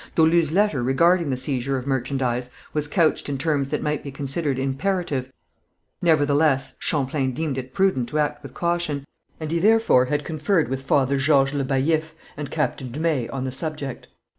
Dolu's letter regarding the seizure of merchandise was couched in terms that might be considered imperative, nevertheless Champlain deemed it prudent to act with caution, and he therefore had conferred with Father George Le Baillif and Captain Dumay on the subject.